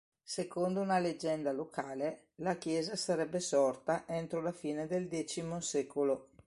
Secondo una leggenda locale, la chiesa sarebbe sorta entro la fine del X secolo.